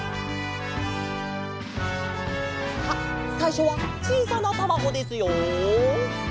さあさいしょはちいさなたまごですよ。